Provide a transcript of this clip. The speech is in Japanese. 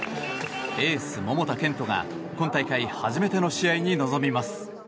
エース、桃田賢斗が今大会初めての試合に臨みます。